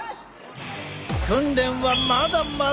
訓練はまだまだ！